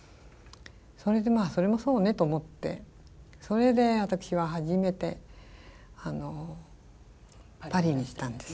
それでまあそれもそうねと思ってそれで私は初めてパリに行ったんです。